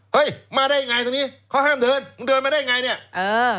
เฮ้ยมาได้ยังไงตรงนี้เขาห้ามเดินมึงเดินมาได้ไงเนี่ยเออ